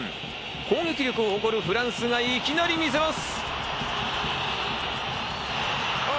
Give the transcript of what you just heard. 攻撃力を誇るフランスがいきなり見せます。